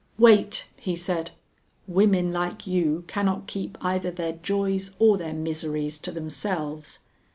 "Wait!" he said, "women like you cannot keep either their joys or their miseries to themselves.